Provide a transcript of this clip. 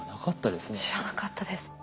知らなかったですね。